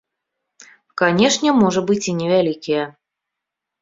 Канешне, можа быць, і невялікія.